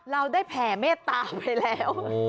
เราได้แผ่เมตตาไปแล้ว